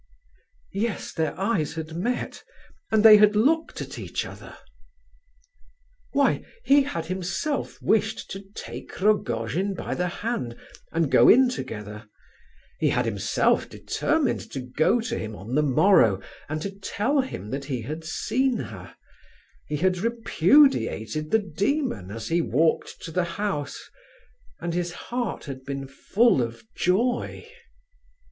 (Yes, their eyes had met, and they had looked at each other.) Why, he had himself wished to take Rogojin by the hand and go in together, he had himself determined to go to him on the morrow and tell him that he had seen her, he had repudiated the demon as he walked to the house, and his heart had been full of joy.